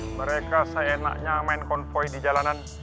mereka seenaknya main konvoy di jalanan